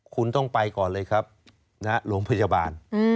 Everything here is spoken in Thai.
คุณต้องไปก่อนเลยครับโรงพยาบาล